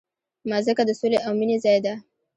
مځکه د سولې او مینې ځای ده.